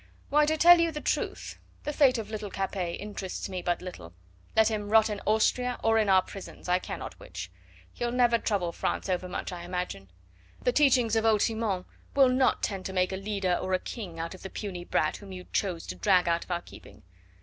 Why, to tell you the truth, the fate of little Capet interests me but little. Let him rot in Austria or in our prisons, I care not which. He'll never trouble France overmuch, I imagine. The teachings of old Simon will not tend to make a leader or a king out of the puny brat whom you chose to drag out of our keeping.